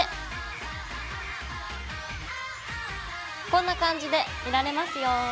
こんな感じで見られますよ。